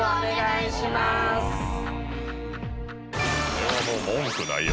これはもう文句ないよ。